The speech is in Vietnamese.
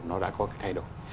nó đã có cái thay đổi